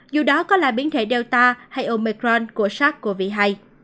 dù đó có là biến thể delta hay omicron của sát covid hai